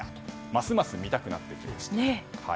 ますます見たくなってきました。